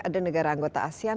ada negara anggota asean